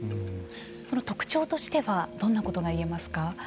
その特徴としてはどんなことが言えますか。